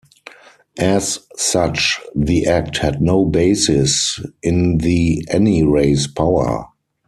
As such, the Act had no basis in the 'any race' power.